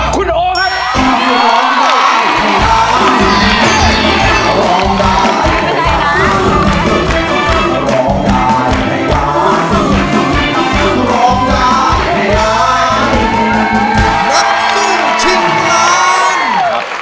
คุณโอครับ